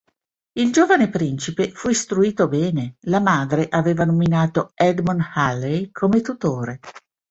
Il giovane principe fu istruito bene, la madre aveva nominato Edmond Halley come tutore.